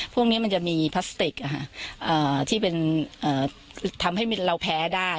พวกนี้มันจะมีพลาสติกที่เป็นทำให้เราแพ้ได้